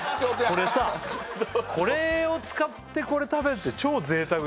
これさこれを使ってこれ食べるって超贅沢じゃない？